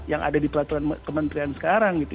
yang ada di peraturan kementerian sekarang gitu